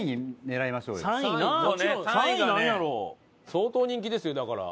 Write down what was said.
相当人気ですよだから。